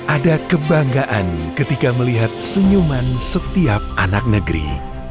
ada kebanggaan ketika melihat senyuman setiap anak negeri